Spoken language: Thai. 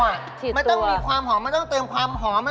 มันต้องมีความหอมมันต้องเติมความหอม